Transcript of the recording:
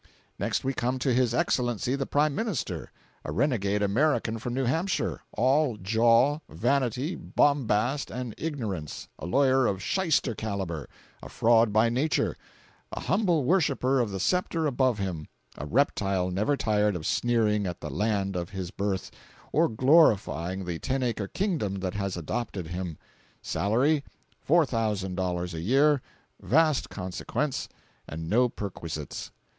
Next we come to his Excellency the Prime Minister, a renegade American from New Hampshire, all jaw, vanity, bombast and ignorance, a lawyer of "shyster" calibre, a fraud by nature, a humble worshipper of the sceptre above him, a reptile never tired of sneering at the land of his birth or glorifying the ten acre kingdom that has adopted him—salary, $4,000 a year, vast consequence, and no perquisites.